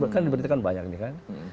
kan diberitakan banyak nih kan